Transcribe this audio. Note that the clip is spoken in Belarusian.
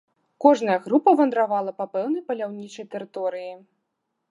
Кожная група вандравала па пэўнай паляўнічай тэрыторыі.